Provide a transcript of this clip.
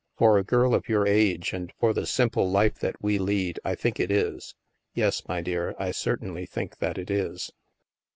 " For a girl of your age and for the simple life that we lead, I think it is. Yes, my dear, I cer tainly think that it is."